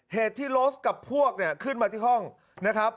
เหตุที่โรสกับพวกเนี่ยขึ้นมาที่ห้องนะครับ